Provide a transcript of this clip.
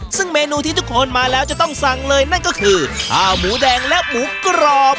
ซึ่งเมนูที่ทุกคนมาแล้วจะต้องสั่งเลยนั่นก็คือข้าวหมูแดงและหมูกรอบ